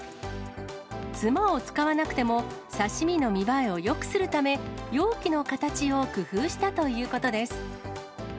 つまを使わなくても、刺身の見栄えをよくするため、容器の形を工夫したということです。